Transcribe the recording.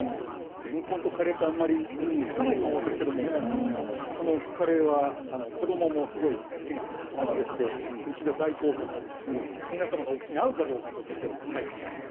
れんこんとカレーはあまり結び付かないと思うんですけど、カレーは子どももすごい好きな味でしてうちでは大好評なので皆さんのお口に合うかどうか。